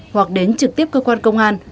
hoặc đến trực tiếp cơ quan công an